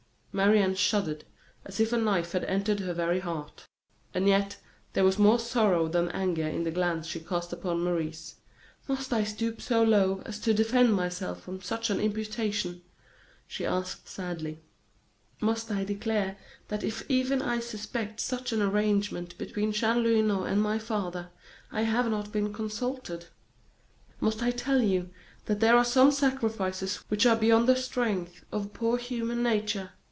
Marie Anne shuddered as if a knife had entered her very heart; and yet there was more sorrow than anger in the glance she cast upon Maurice. "Must I stoop so low as to defend myself from such an imputation?" she asked, sadly. "Must I declare that if even I suspect such an arrangement between Chanlouineau and my father, I have not been consulted? Must I tell you that there are some sacrifices which are beyond the strength of poor human nature?